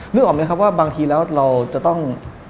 นึกออกไหมครับว่าบางทีแล้วเราจะต้อง